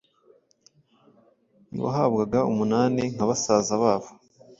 ntibahabwaga umunani nka basaza babo